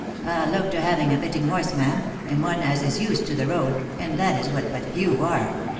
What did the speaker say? " I'll look to having a fitting horse, ma'am, and one as is used to the road, and that is what but few are.